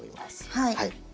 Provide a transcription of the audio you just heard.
はい。